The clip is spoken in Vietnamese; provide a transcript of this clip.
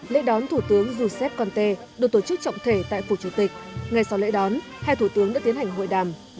lễ đón thủ tướng giuseppe conte được tổ chức trọng thể tại phủ chủ tịch ngay sau lễ đón hai thủ tướng đã tiến hành hội đàm